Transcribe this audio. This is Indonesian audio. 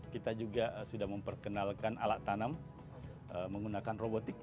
kita juga sudah memperkenalkan alat tanam menggunakan robotik